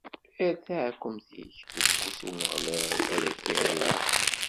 Err taɛkemt-ik deg ufus n Umeɣlal, ad ak-iɛiwen.